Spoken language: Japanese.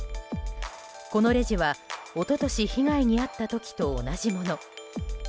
このレジは一昨年被害に遭った時と同じもの。